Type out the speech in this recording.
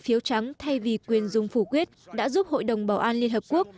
phiếu trắng thay vì quyền dùng phủ quyết đã giúp hội đồng bảo an liên hợp quốc